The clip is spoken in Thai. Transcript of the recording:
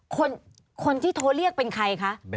ปีอาทิตย์ห้ามีสปีอาทิตย์ห้ามีส